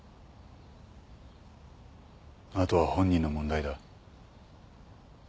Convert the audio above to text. あとは本人の問題だ。